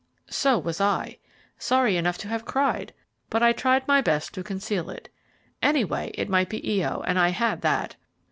So was I. Sorry enough to have cried, but I tried my best to conceal it. Anyway, it might be Io, and I had that.